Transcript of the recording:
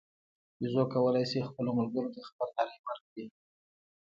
بیزو کولای شي خپلو ملګرو ته خبرداری ورکړي.